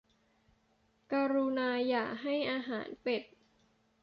กรุณาอย่าให้อาหารเป็ด